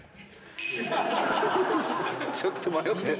ちょっと迷ってる！